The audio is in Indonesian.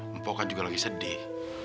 mpok kan juga lagi sedih